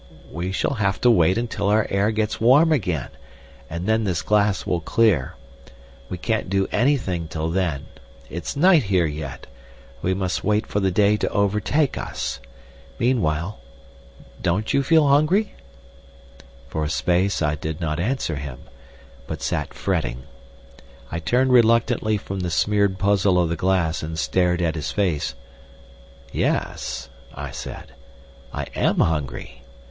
We shall have to wait until our air gets warm again, and then this glass will clear. We can't do anything till then. It's night here yet; we must wait for the day to overtake us. Meanwhile, don't you feel hungry?" For a space I did not answer him, but sat fretting. I turned reluctantly from the smeared puzzle of the glass and stared at his face. "Yes," I said, "I am hungry.